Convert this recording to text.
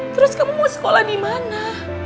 terus kamu mau sekolah di mana